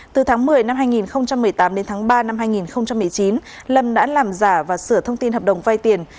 từ tháng một mươi năm hai nghìn một mươi tám đến tháng ba năm hai nghìn một mươi chín lâm đã làm giả và sửa thông tin hợp đồng vay tiền